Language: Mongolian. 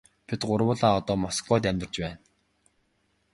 Бид гурвуулаа одоо Москвад амьдарч байна.